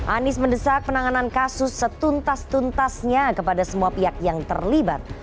anies mendesak penanganan kasus setuntas tuntasnya kepada semua pihak yang terlibat